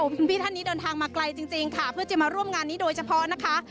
คุณพี่ท่านนี้เดินทางมาไกลจริงค่ะเพื่อจะมาร่วมงานนี้โดยเฉพาะนะคะ